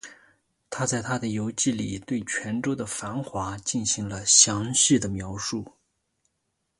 他在他的游记里对泉州的繁华进行了详细的描述。